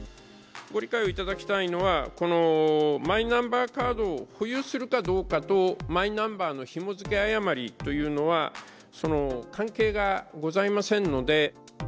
ご理解をいただきたいのは、このマイナンバーカードを保有するかどうかと、マイナンバーのひも付け誤りというのは、関係がございませんので。